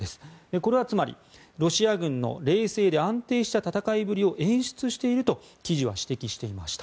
これは、つまりロシア軍の冷静で安定した戦いぶりを演出していると記事は指摘していました。